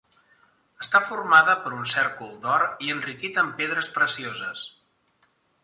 Està formada per un cèrcol d'or i enriquit amb pedres precioses.